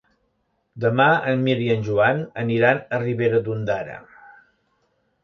Demà en Mirt i en Joan aniran a Ribera d'Ondara.